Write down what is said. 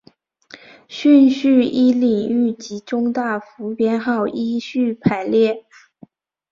顺序依领域及中大服编号依序排列。